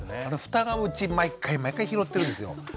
あのふたがうち毎回毎回拾ってるんですよ。